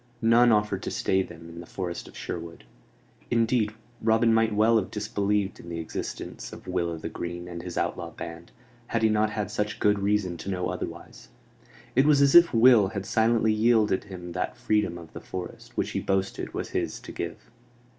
None offered to stay them in the forest of Sherwood; indeed, Robin might well have disbelieved in the existence of Will o' th' Green and his outlaw band, had he not had such good reason to know otherwise. It was as if Will had silently yielded him that freedom of the forest which he boasted was his to give.